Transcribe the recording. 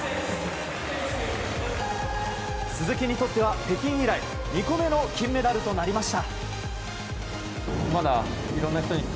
鈴木にとっては北京以来２個目の金メダルとなりました。